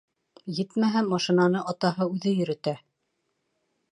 Етмәһә, машинаны атаһы үҙе йөрөтә.